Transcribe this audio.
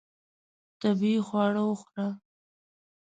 طبیعي خواړه وخوره.